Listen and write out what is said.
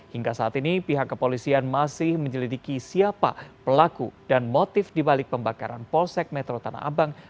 hingga saat ini pihak kepolisian masih menyelidiki siapa pelaku dan motif dibalik pembakaran polsek metro tanah abang